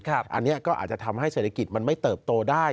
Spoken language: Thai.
อันนี้ก็อาจจะทำให้เศรษฐกิจมันไม่เติบโตได้